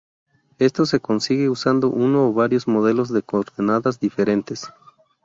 Esto se consigue usando uno o varios modelos de coordenadas diferentes.